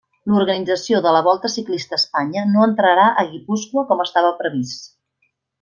L'organització de la Volta Ciclista a Espanya no entrarà a Guipúscoa com estava previst.